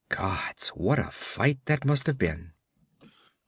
Gods, what a fight that must have been!'